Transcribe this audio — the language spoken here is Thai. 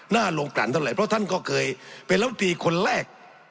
ลงกลั่นเท่าไหร่เพราะท่านก็เคยเป็นลำตีคนแรก